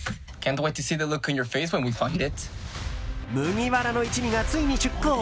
麦わらの一味がついに出航！